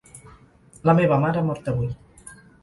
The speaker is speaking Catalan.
La meva mare ha mort avui.